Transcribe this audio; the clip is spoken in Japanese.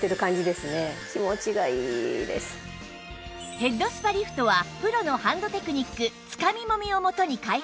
ヘッドスパリフトはプロのハンドテクニックつかみもみをもとに開発